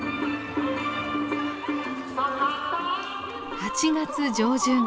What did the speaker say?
８月上旬。